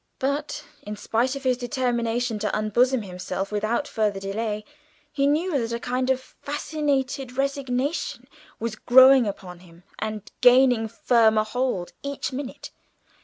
But in spite of his determination to unbosom himself without further delay, he knew that a kind of fascinated resignation was growing upon him and gaining firmer hold each minute.